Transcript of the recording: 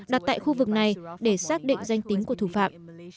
đặt tại khu vực này để xác định danh tính của thủ phạm